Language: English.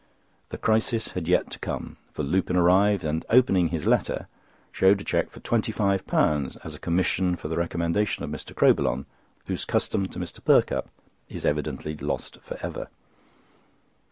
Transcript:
The crisis had yet to come; for Lupin arrived, and, opening his letter, showed a cheque for £25 as a commission for the recommendation of Mr. Crowbillon, whose custom to Mr. Perkupp is evidently lost for ever.